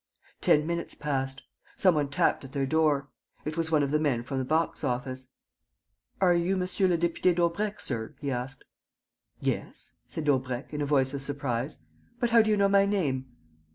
Ten minutes passed. Some one tapped at their door. It was one of the men from the box office. "Are you M. le Député Daubrecq, sir?" he asked. "Yes," said Daubrecq, in a voice of surprise. "But how do you know my name?"